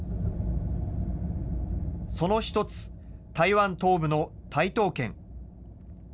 その一つ、台湾東部の台東県。